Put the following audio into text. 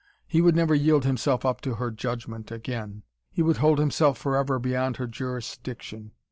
He would never yield himself up to her judgment again. He would hold himself forever beyond her jurisdiction.